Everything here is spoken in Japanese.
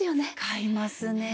使いますね。